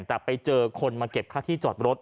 แต่ไปเจอคนมาเก็บค่าที่จอดรถ